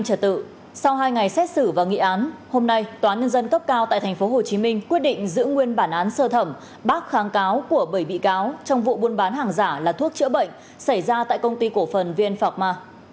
sau hai ngày xét xử và nghị án hôm nay tòa án nhân dân cấp cao tại tp hcm quyết định giữ nguyên bản án sơ thẩm bác kháng cáo của bảy bị cáo trong vụ buôn bán hàng giả là thuốc chữa bệnh xảy ra tại công ty cổ phần vn phạc ma